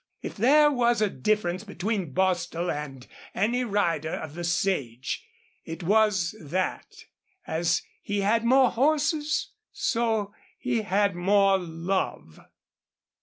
If there was a difference between Bostil and any rider of the sage, it was that, as he had more horses, so he had more love.